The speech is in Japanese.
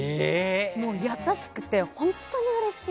もう優しくて、本当にうれしい！